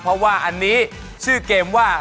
เพราะว่าอันนี้ชื่อเกมว่า